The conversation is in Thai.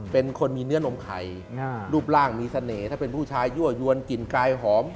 เป็นคนมีเนื้อนมไข่รูปร่างมีเสน่ห์ถ้าเป็นผู้ชายยั่วยวนกลิ่นกายหอม